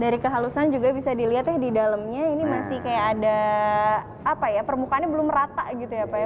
dari kehalusan juga bisa dilihat ya di dalamnya ini masih kayak ada apa ya permukaannya belum rata gitu ya pak ya